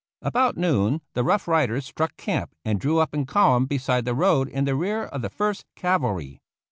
About noon the Rough Riders struck camp and drew up in column beside the road in the rear of the First Cavalry.